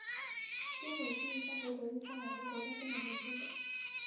拥有智异山和德裕山两个国家公园的一部份。